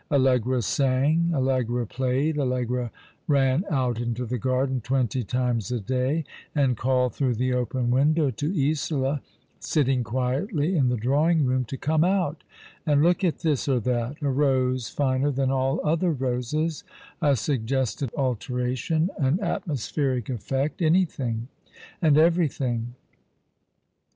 Allegra sang, Allegra played, Allegra ran out into the garden no All along the River, twenty times a day, and called tlirough the open "window to Isola, sitting quietly in the drawing room, to come out and look at this or that— a rose finer than all other roses — a suggested alteration — an atmospheric effect — anything and everything.